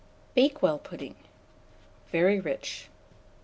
BAKEWELL PUDDING. (Very Rich.)